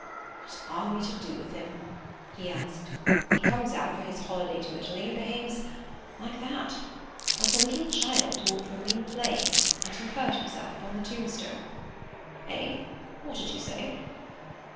"What are we to do with him?" he asked. "He comes out for his holiday to Italy, and behaves—like that; like the little child who ought to have been playing, and who hurt himself upon the tombstone. Eh? What did you say?"